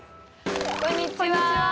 こんにちは！